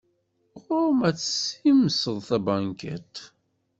Ɣur-m ad tessimseḍ tabankiṭ.